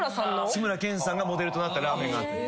志村けんさんがモデルとなったラーメン。